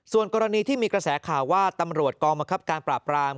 ส่วนกรณีที่มีกระแสข่าวว่าตำรวจกองบังคับการปราบราม